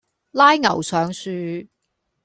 拉牛上樹